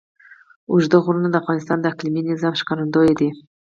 اوږده غرونه د افغانستان د اقلیمي نظام ښکارندوی ده.